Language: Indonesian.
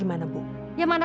ah apa saja